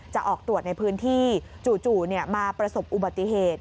จะออกตรวจในพื้นที่จู่มาประสบอุบัติเหตุ